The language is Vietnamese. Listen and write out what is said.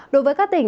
đối với các tỉnh